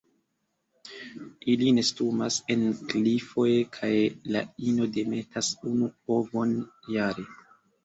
Ili nestumas en klifoj kaj la ino demetas unu ovon jare.